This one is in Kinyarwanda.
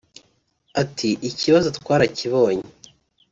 Ati “ikibazo twarakibonye